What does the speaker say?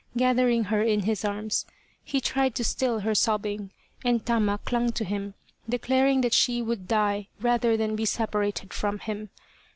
Gathering her in his arms he tried to still her sobbing, and Tama clung to him, declaring that she would die rather than be separated from him.